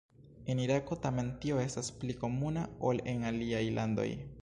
En Irako tamen tio estas pli komuna ol en aliaj landoj.